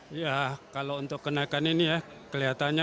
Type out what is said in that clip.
berikut pendapat warga